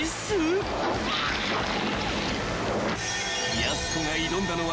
［やす子が挑んだのは］